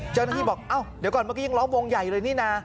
เจ้าหน้าที่บอกเอ้าเดี๋ยวก่อนเมื่อกี้ยังล้อมวงใหญ่เลยนี่นะ